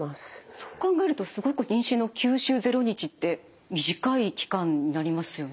そう考えるとすごく妊娠の９週０日って短い期間になりますよね。